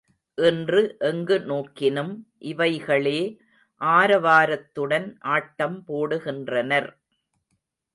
இன்று எங்கு நோக்கினும் இவைகளே ஆரவாரத்துடன் ஆட்டம் போடுகின்றனர்.